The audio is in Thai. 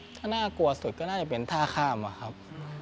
ถ้าน่ากลัวสุดก็น่าจะเป็นท่าข้ามอะครับ